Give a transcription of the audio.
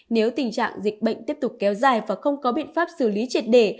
nếu tình trạng dịch bệnh tiếp tục kéo dài và không có biện pháp xử lý triệt để